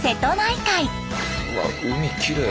うわ海きれい。